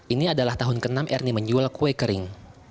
ini adalah tahun ke enam ernie menjual kue kering